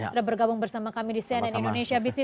sudah bergabung bersama kami di cnn indonesia busines